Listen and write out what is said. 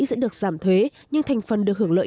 sẽ được giảm thuế nhưng thành phần được hưởng lợi